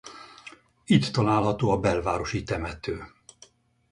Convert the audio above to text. Itt található a belvárosi temető.